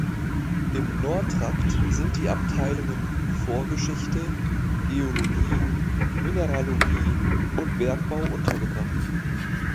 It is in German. Im Nordtrakt sind die Abteilungen Vorgeschichte, Geologie, Mineralogie und Bergbau untergebracht.